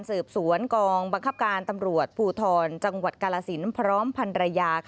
สืบสวนกองบังคับการตำรวจภูทรจังหวัดกาลสินพร้อมพันรยา